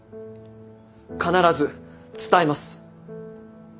必ず伝えます。